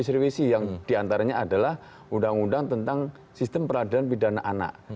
direvisi yang diantaranya adalah undang undang tentang sistem peradilan pidana anak